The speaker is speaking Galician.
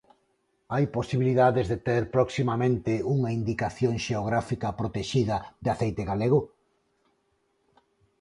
Hai posibilidades de ter proximamente unha Indicación Xeográfica Protexida de aceite galego?